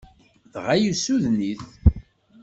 Dɣa yessuden-it.